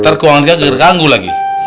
ntar keuangan kita terganggu lagi